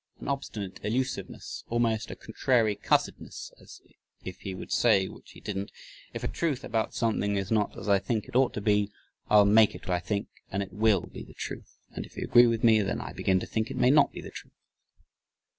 "An obstinate elusiveness," almost a "contrary cussedness," as if he would say, which he didn't: "If a truth about something is not as I think it ought to be, I'll make it what I think, and it WILL be the truth but if you agree with me, then I begin to think it may not be the truth."